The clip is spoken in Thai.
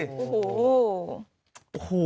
โอ้โห